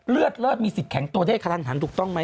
เลือดมีสิทธิ์แข็งตัวเนี้ยคลันถันถูกต้องไหม